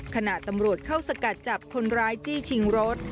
ขณะตำรวจเข้าสกัดจับคนร้ายจี้ชิงรถ